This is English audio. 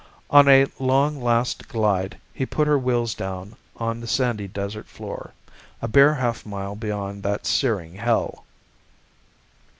On a long last glide, he put her wheels down on the sandy desert floor, a bare half mile beyond that searing hell.